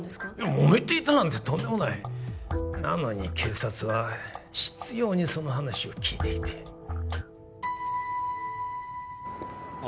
モメていたなんてとんでもないなのに警察は執拗にその話を聞いてきてあ